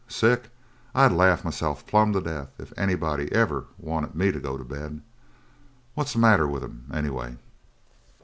Sick? I'd laugh myse'f plumb to death if anybody ever wanted me to go to bed. What's the matter with him, anyway?"